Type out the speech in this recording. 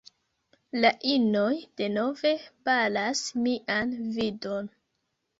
La inoj denove baras mian vidon